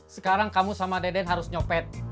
sekarang kamu sama deden harus nyopet